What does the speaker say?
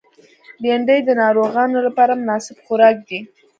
بېنډۍ د ناروغانو لپاره مناسب خوراک دی